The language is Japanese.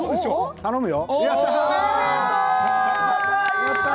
頼むよ。